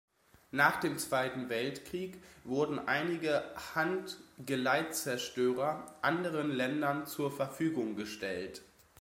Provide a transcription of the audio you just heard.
Nach dem Zweiten Weltkrieg wurden einige Hunt-Geleitzerstörer anderen Ländern zur Verfügung gestellt.